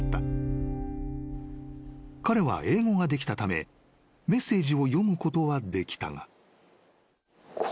［彼は英語ができたためメッセージを読むことはできたが］